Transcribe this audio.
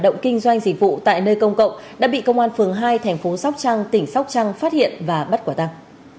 hoạt động kinh doanh dịch vụ tại nơi công cộng đã bị công an phường hai thành phố sóc trăng tỉnh sóc trăng phát hiện và bắt quả tăng